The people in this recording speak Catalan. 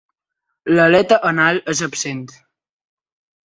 L'aleta anal és absent.